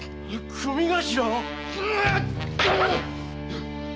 組頭？